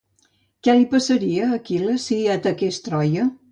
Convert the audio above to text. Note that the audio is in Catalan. Què li passaria a Aquil·les si ataqués Troia?